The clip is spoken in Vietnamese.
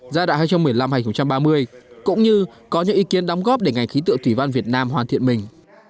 giai đoạn hai nghìn một mươi năm hai nghìn ba mươi cũng như có những ý kiến đóng góp để ngành khí tượng thủy văn việt nam hoàn thiện mình